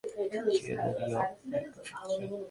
দুই বছর আগে সবাইকে চমকে দিয়ে জানালেন, রিও অলিম্পিকে ফিরতে চান।